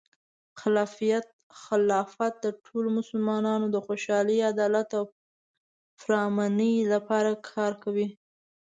خلافت د ټولو مسلمانانو د خوشحالۍ، عدالت، او پرامنۍ لپاره کار کوي.